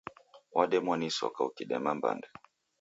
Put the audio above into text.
Wademwa ni isoka ukidema mbande.